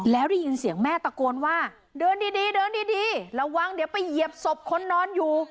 แล้วได้ยินเสียงแม่ตะโกนว่าเดินดีเดินดีระวังเดี๋ยวไปเหยียบศพคนนอนอยู่